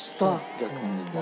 逆に。